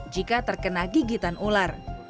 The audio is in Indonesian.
jika terkena gigitan ular